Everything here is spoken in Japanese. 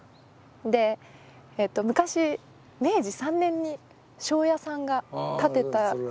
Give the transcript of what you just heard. で昔明治３年に庄屋さんが建てたちゃんとした。